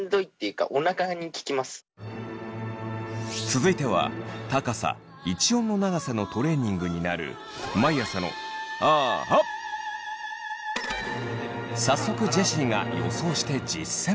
続いては高さ一音の長さのトレーニングになる早速ジェシーが予想して実践！